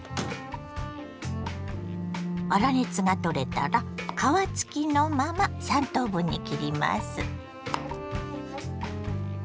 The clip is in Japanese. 粗熱が取れたら皮付きのまま３等分に切ります。